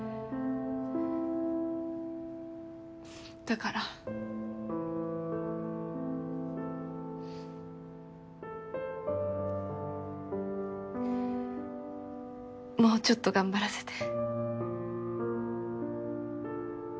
だからもうちょっと頑張らせて。